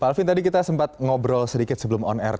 pak alvin tadi kita sempat ngobrol sedikit sebelum online